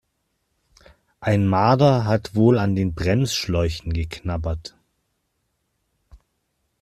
Ein Marder hat wohl an den Bremsschläuchen geknabbert.